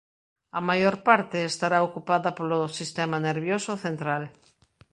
A maior parte estará ocupada polo sistema nervioso central.